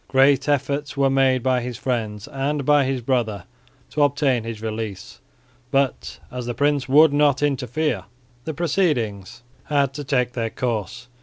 Great efforts were made by his friends and by his brother to obtain his release; but, as the prince would not interfere, the proceedings had to take their course.